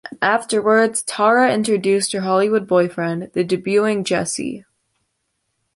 Afterwards, Tara introduced her "Hollywood boyfriend", the debuting Jesse.